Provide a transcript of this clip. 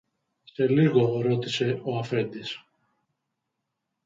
Σε λίγο ρώτησε ο αφέντης: